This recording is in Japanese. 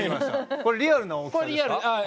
これリアルな大きさですか？